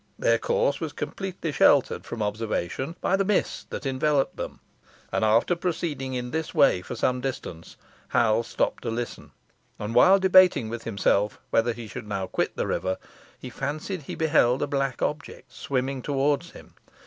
Their course was completely sheltered from observation by the mist that enveloped them; and after proceeding in this way for some distance, Hal stopped to listen, and while debating with himself whether he should now quit the river, he fancied he beheld a black object swimming towards him.